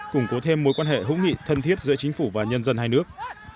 củng cố thêm mối quan hệ hữu nghị thân thiết giữa chính phủ và nhân dân hai nước